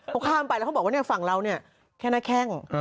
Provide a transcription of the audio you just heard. พอข้ามไปแล้วเขาบอกว่าฝั่งเราแค่น่าแค่ง